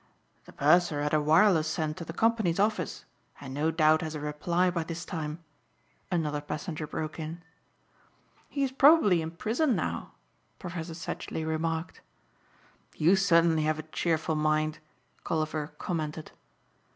"The purser had a wireless sent to the company's office and no doubt has a reply by this time," another passenger broke in. "He is probably in prison now," Professor Sedgely remarked. "You certainly have a cheerful mind," Colliver commented.